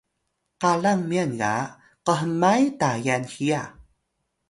qalang myan ga khmay Tayal hiya